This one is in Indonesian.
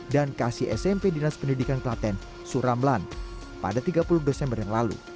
dan kasih smp dinas pendidikan kelaten suramlan pada tiga puluh desember yang lalu